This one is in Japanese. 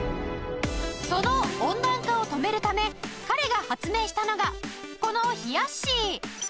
その温暖化を止めるため彼が発明したのがこのひやっしー